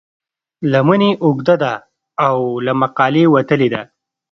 لمن یې اوږده ده او له مقالې وتلې ده.